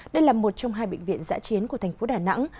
đây là một trong hai bệnh viện giã chiến của thành phố đà nẵng